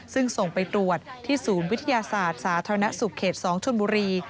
ซึ่งส่งไปตรวจที่ศูนย์วิทยาศาสตร์สาธารณสุขเขต๒ชนบุรี